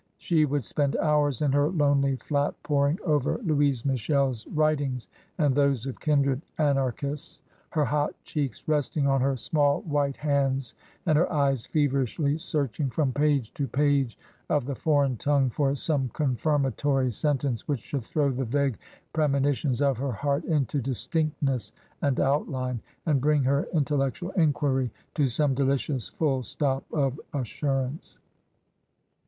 She would spend hours in her lonely flat poring over Louise Michel's writings and those of kindred Anarchists, her hot cheeks resting on her small white hands and her eyes feverishly searching from page to 200 TRANSITION. page of the foreign tongue for some confirmatory sen tence which should throw the vague premonitions of her heart into distinctness and outline, and bring her intel lectual enquiry to some delicious full stop of assurance.